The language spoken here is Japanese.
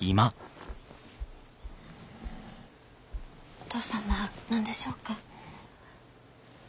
お義父様何でしょうか？